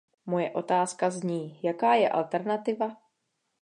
Moje otázka zní, jaká je alternativa?